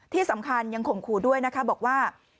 ที่สำคัญยังข่มขู่ด้วยนะคะบอกว่า